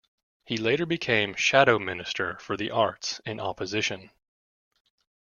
He later became Shadow Minister for the Arts in opposition.